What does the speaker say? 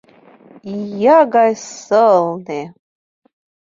— Ия гай сылне!